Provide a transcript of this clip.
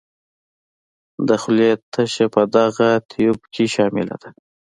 د خولې تشه په دغه تیوپ کې شامله ده.